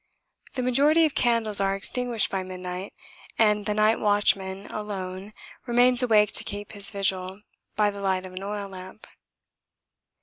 The majority of candles are extinguished by midnight, and the night watchman alone remains awake to keep his vigil by the light of an oil lamp.